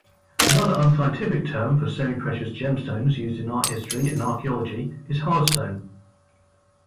Another unscientific term for semi-precious gemstones used in art history and archaeology is hardstone.